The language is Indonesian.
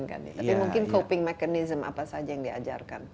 tapi mungkin mekanisme pengendalian apa saja yang diajarkan